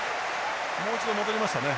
もう一度戻りましたね。